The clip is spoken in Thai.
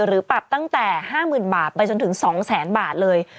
หรือปรับตั้งแต่๕๐๐๐บาทไปจนถึง๒๐๐๐๐บาทเลย